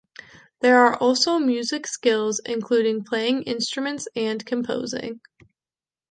There are also music skills, including Playing Instrument and Composing.